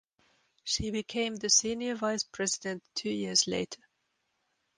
She became the senior vice president two years later.